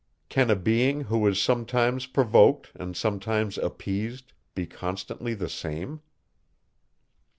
Can a being, who is sometimes provoked, and sometimes appeased, be constantly the same?